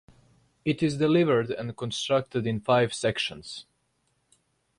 It is delivered and constructed in five sections.